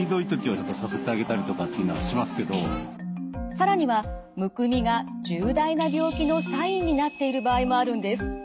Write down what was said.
更にはむくみが重大な病気のサインになっている場合もあるんです。